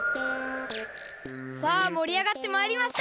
さあもりあがってまいりました！